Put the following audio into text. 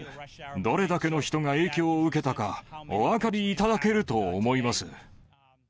どれだけの人が影響を受けたか、お分かりいただけると思います。